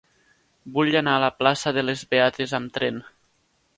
Vull anar a la plaça de les Beates amb tren.